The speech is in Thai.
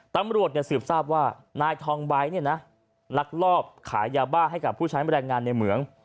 ตำรวจสืบทราบว่านายทองไบท์ลักลอบขายยาบ้าให้กับผู้ใช้แรงงานในเหมือง